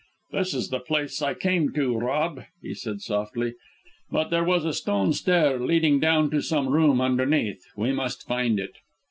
"This is the place I came to, Rob!" he said softly; "but there was a stone stair leading down to some room underneath. We must find it."